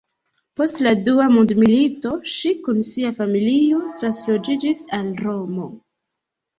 Post la dua mondmilito ŝi kun sia familio transloĝiĝis al Romo.